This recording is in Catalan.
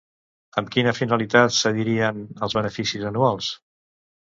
Amb quina finalitat cedirien els beneficis anuals?